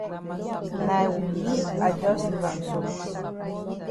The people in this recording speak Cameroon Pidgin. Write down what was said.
Na yi I jus leave am so.